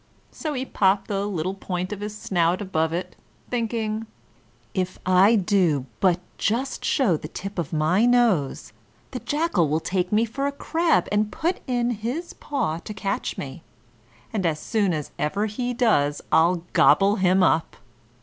So he popped the little point of his snout above it, thinking: "If I do but just show the tip of my nose, the Jackal will take me for a crab and put in his paw to catch me, and as soon as ever he does I'll gobble him up."